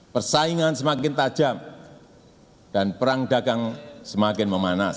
persaingan semakin tajam dan perang dagang semakin memanas